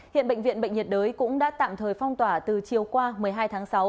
hiện bệnh viện bệnh nhiệt đới cũng đã tạm thời phong tỏa từ chiều qua một mươi hai tháng sáu